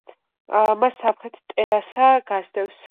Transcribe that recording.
მას სამხრეთით ტერასა გასდევს.